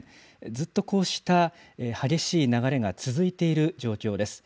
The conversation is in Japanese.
ずっとこうした激しい流れが続いている状況です。